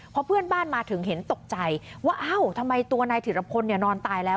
พอเพื่อนบ้านมาถึงเห็นตกใจว่าทำไมตัวนายถิดละพลนอนตายแล้ว